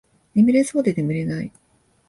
眠れそうで眠れない